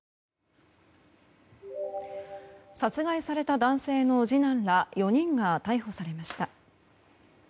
殺害された男性の次男ら４人が逮捕されました。